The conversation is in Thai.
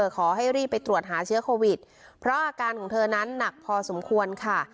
ขอให้รีบไปตรวจหาเชื้อโควิดเพราะอาการของเธอนั้นหนักพอสมควรค่ะ